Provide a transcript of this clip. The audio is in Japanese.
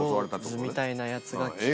ジョーズみたいなやつが来て。